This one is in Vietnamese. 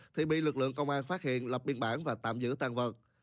thì bị lực lượng công an phát hiện lập biên bản và tạm giữ tàn vật